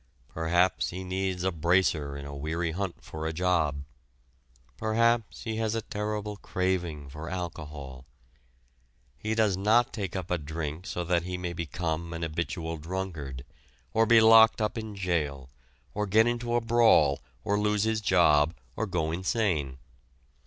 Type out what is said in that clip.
Perhaps he needs a "bracer" in a weary hunt for a job. Perhaps he has a terrible craving for alcohol. He does not take a drink so that he may become an habitual drunkard, or be locked up in jail, or get into a brawl, or lose his job, or go insane.